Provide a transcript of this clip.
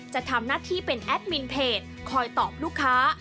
จะทำหน้าที่เป็นแอดมินเพจคอยตอบลูกค้า